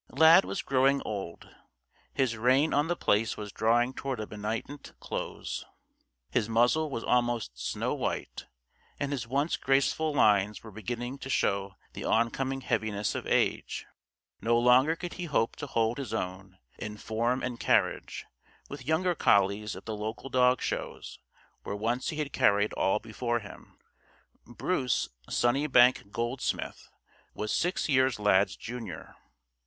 Lad was growing old. His reign on The Place was drawing toward a benignant close. His muzzle was almost snow white and his once graceful lines were beginning to show the oncoming heaviness of age. No longer could he hope to hold his own, in form and carriage, with younger collies at the local dog shows where once he had carried all before him. Bruce "Sunnybank Goldsmith" was six years Lad's junior.